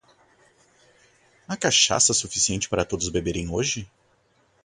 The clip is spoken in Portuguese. Há cachaça suficiente para todos beberem hoje?